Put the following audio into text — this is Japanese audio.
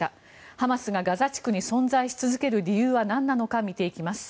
ハマスがガザ地区に存在し続ける理由はなんなのか見ていきます。